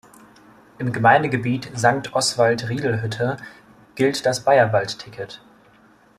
Im Gemeindegebiet Sankt Oswald-Riedlhütte gilt das Bayerwald-Ticket.